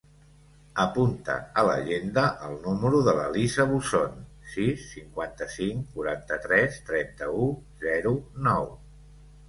Apunta a l'agenda el número de l'Elisa Buzon: sis, cinquanta-cinc, quaranta-tres, trenta-u, zero, nou.